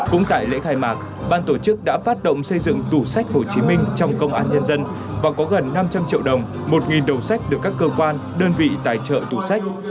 cũng tại lễ khai mạc ban tổ chức đã phát động xây dựng tủ sách hồ chí minh trong công an nhân dân và có gần năm trăm linh triệu đồng một đầu sách được các cơ quan đơn vị tài trợ tủ sách